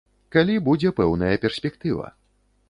Калі будзе пэўная перспектыва.